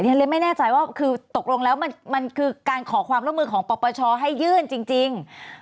ฉันเลยไม่แน่ใจว่าคือตกลงแล้วมันคือการขอความร่วมมือของปปชให้ยื่นจริง